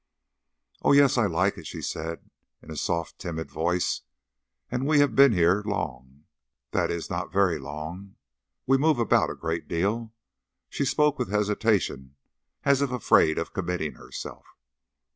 "Oh, yes, I like it," she said, in a soft, timid voice; "and we have been here long that is, not very long. We move about a great deal." She spoke with hesitation, as if afraid of committing herself.